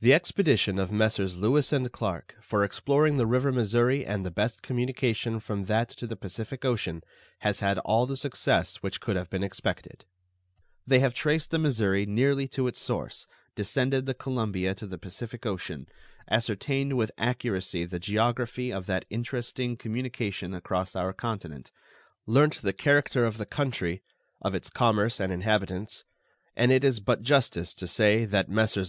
The expedition of Messrs. Lewis and Clarke for exploring the river Missouri and the best communication from that to the Pacific Ocean has had all the success which could have been expected. They have traced the Missouri nearly to its source, descended the Columbia to the Pacific Ocean, ascertained with accuracy the geography of that interesting communication across our continent, learnt the character of the country, of its commerce and inhabitants; and it is but justice to say that Messrs.